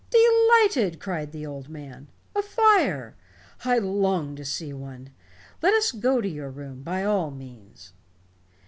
"Delighted," cried the old man. "A fire. I long to see one. Let us go to your room, by all means."